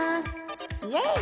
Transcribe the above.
イエイ！